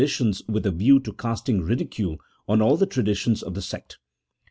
tions with a view to casting ridicule on all the traditions of the sect.